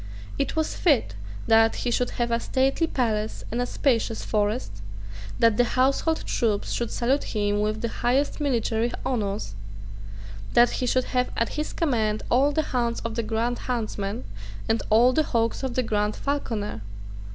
It was fit that he should have a stately palace and a spacious forest, that the household troops should salute him with the highest military honours, that he should have at his command all the hounds of the Grand Huntsman and all the hawks of the Grand Falconer.